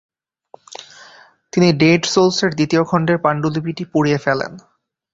তিনি ডেড সোলসের দ্বিতীয় খণ্ডের পাণ্ডুলিপিটি পুড়িয়ে ফেলেন।